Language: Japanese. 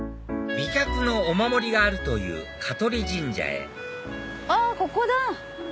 美脚のお守りがあるという香取神社へあっここだ。